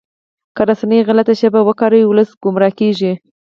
که رسنۍ غلطه ژبه وکاروي ولس ګمراه کیږي.